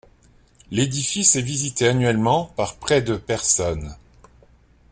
L'édifice est visité annuellement par près de personnes.